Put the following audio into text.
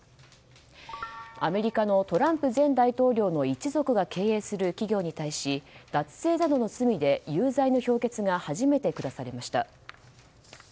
アメリカのトランプ前大統領の一族が経営する企業に対し脱税などの罪で有罪の評決が初めて下されました。